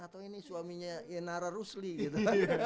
atau ini suaminya inara rusli gitu